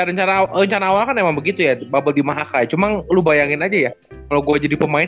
rencana rencana awal kan emang begitu ya bubble lima hk cuman lu bayangin aja ya kalau gue jadi pemain